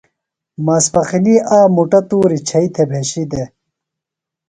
ماسپخِنی آ مُٹہ تُوریۡ چھئیۡ تھےۡ بھیشیۡ دےۡ۔